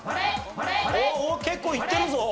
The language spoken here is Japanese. おっおっ結構いってるぞ。